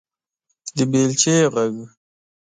_د بېلچې غږ